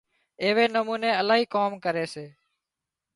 ايوي نموني الاهي ڪام ڪري سي